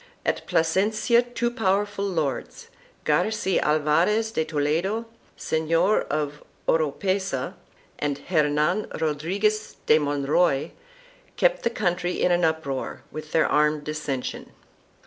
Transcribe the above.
At Plasencia two powerful lords, Garci Alvarez de Toledo, Senor of Oropesa, and Hernan Rodriguez de Monroy, kept the country in an uproar with their armed dissension.